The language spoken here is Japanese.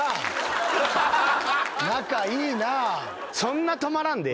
仲いいな。